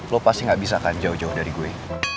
lo pasti gak bisa kan jauh jauh dari gue